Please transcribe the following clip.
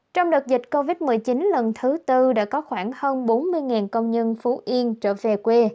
trong đợt dịch covid một mươi chín lần thứ tư đã có khoảng hơn bốn mươi công nhân phú yên trở về quê